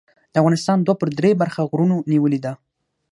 د افغانستان دوه پر درې برخه غرونو نیولې ده.